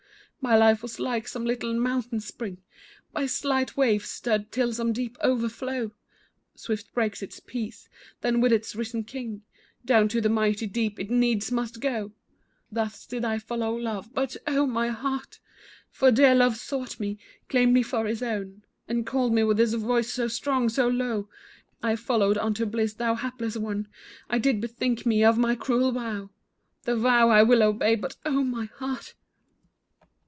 My life was like some little mountain spring By slight waves stirred till some deep overflow Swift breaks its peace, then with its risen king Down to the mighty deep it needs must go; Thus did I follow love, but oh, my heart! For dear love sought me, claimed me for his own, And called me with his voice so strong, so low, I followed unto bliss, thou hapless one, I did bethink me of my cruel vow, The vow I will obey, but oh, my heart!